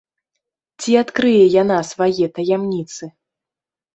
Ці адкрые яна свае таямніцы?